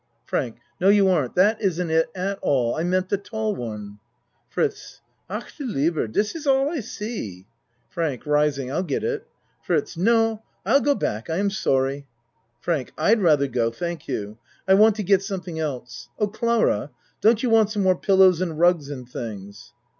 FRANK No, you aren't. That isn't it at all. I meant the tall one. FRITZ Ach du liever! Dis iss all I see. FRANK (Rising.) I'll get it. FRITZ No I'll go back. I am sorry. FRANK I'd rather go thank you. I want to get something else. Oh, Clara, don't you want some more pillows and rugs and things?